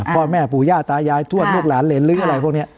พ่อแม่ปู่ย่าตายายถ้วนลูกหลานเลนลึ้งอะไรพวกเนี่ย